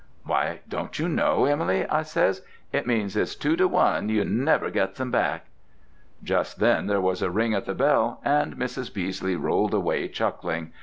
"'Why don't you know, Em'ly?' I says. It means it's two to one you never gets 'em back." Just then there was a ring at the bell and Mrs. Beesley rolled away chuckling.